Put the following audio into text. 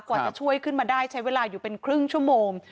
กว่าจะช่วยขึ้นมาได้ใช้เวลาอยู่เป็นครึ่งชั่วโมง